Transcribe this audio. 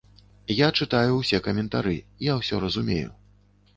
Я чытаю ўсе каментары, я ўсё разумею.